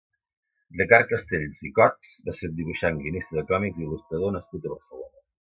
Ricard Castells i Cots va ser un dibuixant, guionista de còmics i Il·lustrador nascut a Barcelona.